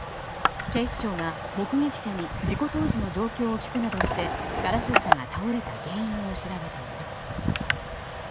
警視庁が目撃者に事故当時の状況を聞くなどしてガラス板が倒れた原因を調べています。